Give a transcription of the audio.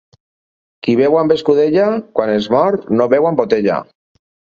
Qui beu amb escudella, quan es mor, no beu amb botella.